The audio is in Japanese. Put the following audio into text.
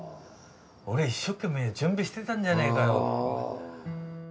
俺一生懸命準備してたんじゃねえかよ。